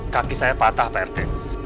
kaki saya patah pak rt